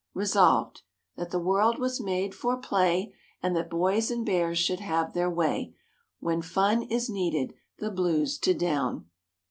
Resolved, That the world was made for play. And that hoys and hears should have their way, Fhen fun is needed the hlues to down."